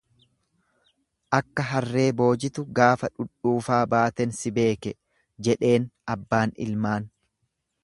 Akka harree boojitu gaafa dhudhuufaa baaten si beeke, jedheen abbaan ilmaan.